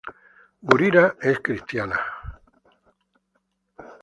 Gurira es cristiana.